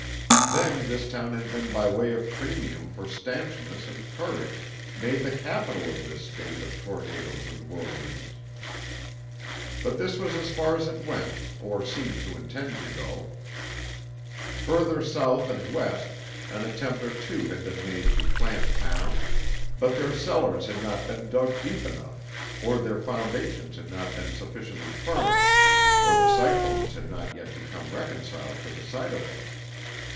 Then this town had been by way of premium for stanchness and courage made the capital of this State of tornadoes and whirlwinds. But this was as far as it went or seemed to intend to go. Further south and west an attempt or two had been made to plant towns, but their cellars had not been dug deep enough or their foundations had not been sufficiently firm, or the cyclones had not yet become reconciled to the sight of them.